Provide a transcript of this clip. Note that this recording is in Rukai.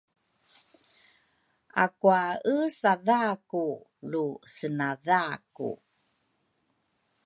akwaesadha ku lu senadha ku